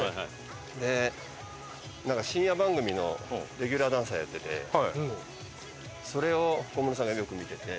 でなんか深夜番組のレギュラーダンサーやっててそれを小室さんがよく見てて。